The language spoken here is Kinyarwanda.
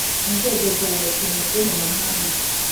inzego za leta byo mu mahanga